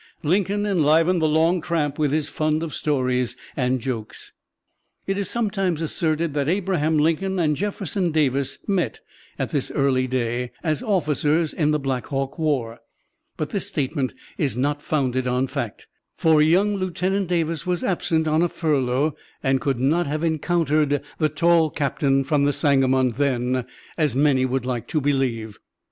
Lincoln enlivened the long tramp with his fund of stories and jokes. It is sometimes asserted that Abraham Lincoln and Jefferson Davis met at this early day, as officers in the Black Hawk War, but this statement is not founded on fact, for young Lieutenant Davis was absent on a furlough and could not have encountered the tall captain from the Sangamon then, as many would like to believe.